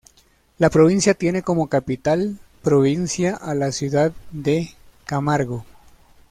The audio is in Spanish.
La provincia tiene como capital provincia a la ciudad de Camargo.